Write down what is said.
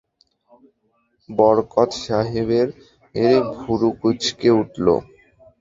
বরকত সাহেবের ভুরু কুচকে উঠল।